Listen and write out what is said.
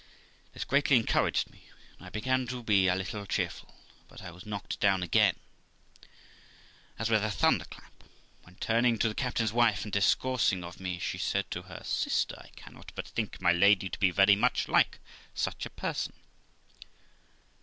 This greatly encouraged me, and I began to be a little cheerful ; but I was knocked down again as with a thunderclap, when turning to the cap tain's wife, and discoursing of me, she said to her, 'Sister, I cannot but think my lady to be very much like such a person.'